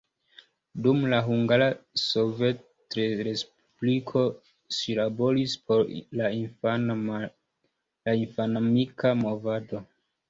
Dum la Hungara Sovetrespubliko ŝi laboris por la infanamika movado.